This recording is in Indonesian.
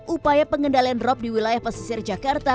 upaya pengendalian rop di wilayah pasir jakarta